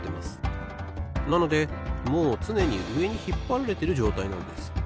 なのでもうつねにうえにひっぱられてるじょうたいなんです。